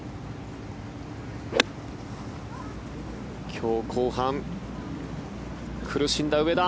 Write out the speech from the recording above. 今日後半苦しんだ上田。